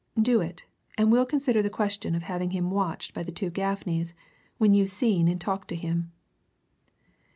Do it and we'll consider the question of having him watched by the two Gaffneys when you've seen and talked to him."